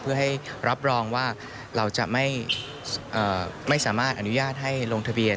เพื่อให้รับรองว่าเราจะไม่สามารถอนุญาตให้ลงทะเบียน